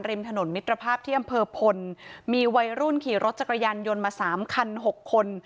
ริมถนนมิตรภาพที่อำเภอพลมีวัยรุ่นขี่รถจักรยานยนต์มา๓คัน๖คน